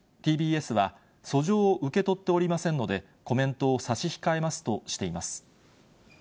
ＴＢＳは、訴状を受け取っておりませんので、コメントを差し控えますとしています。